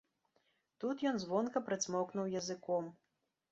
Тут ён звонка прыцмокнуў языком.